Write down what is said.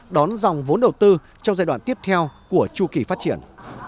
đón dòng vốn đầu tư trong giai đoạn tiếp theo của chu kỳ phát triển